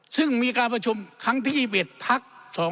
ซึ่งมีการประชุมครั้งที่๒๑พัก๒๕๖